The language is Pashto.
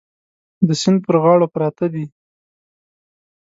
د سیند پر غاړو پراته دي.